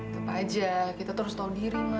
tepat aja kita terus tahu diri ma